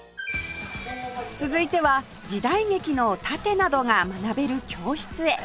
続いては時代劇の殺陣などが学べる教室へ